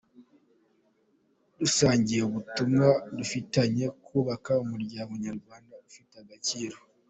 Dusangiye ubumuntu, dufatanye kubaka umuryango nyarwanda ufite agaciro.”